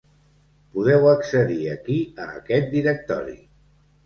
Podeu accedir aquí a aquest directori.